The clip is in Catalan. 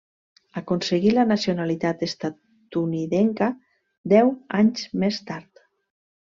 Aconseguí la nacionalitat estatunidenca deu anys més tard.